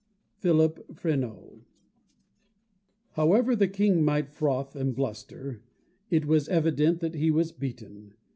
PHILIP FRENEAU. However the King might froth and bluster, it was evident that he was beaten.